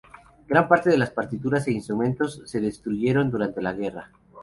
Gran parte de las partituras e instrumentos se destruyeron durante la guerra.